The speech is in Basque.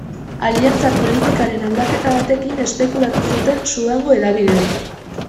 Aliantza politikaren aldaketa batekin espekulatu zuten Sudango hedabideek.